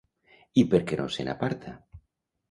I per què no se n'aparta?